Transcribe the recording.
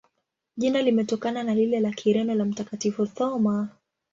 Jina limetokana na lile la Kireno la Mtakatifu Thoma.